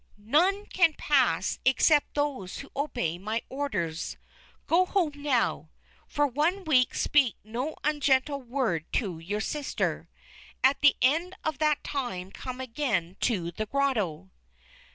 None can pass except those who obey my orders. Go home now. For one week speak no ungentle word to your sister. At the end of that time come again to the grotto."